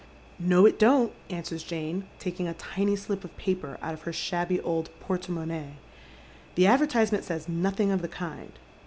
" No, it don't," answers Jane, taldng a tiny slip of paper out of her shabby old portemonnaie. "The advertisement says nothing of the kind."